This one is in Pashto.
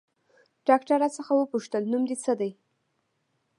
ډاکتر راڅخه وپوښتل نوم دې څه ديه.